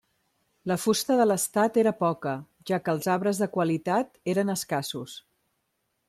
La fusta de l'estat era poca, ja que els arbres de qualitat eren escassos.